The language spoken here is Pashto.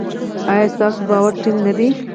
ایا ستاسو باور ټینګ نه دی؟